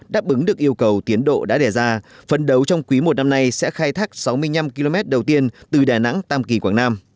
đáp ứng được yêu cầu tiến độ đã đề ra phân đấu trong quý một năm nay sẽ khai thác sáu mươi năm km đầu tiên từ đà nẵng tam kỳ quảng nam